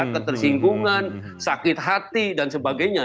ketersinggungan sakit hati dan sebagainya